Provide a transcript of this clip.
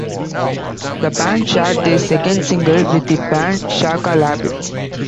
The band shared their second single with the band Shaka Labbits.